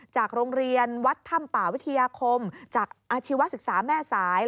จากโรงเรียนวัดถ้ำป่าวิทยาคมจากอาชีวศึกษาแม่สาย